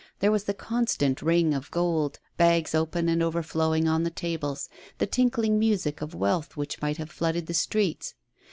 There was the constant ring of gold, bags open and overflowing on the tables, the tinkling music of wealth which might have flooded the streets.